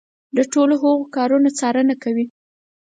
د ټولو هغو کارونو څارنه کوي.